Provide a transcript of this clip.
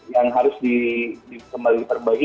yang harus dikembali perbagi